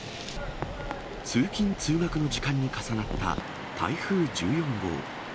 通勤・通学の時間に重なった台風１４号。